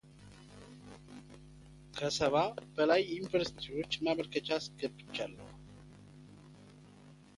ከ ሰባ በላይ ዩኒቨርስቲዎች ማመልከቻ አስገብቻለሁ።